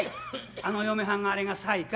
あの嫁はんがあれがサイか？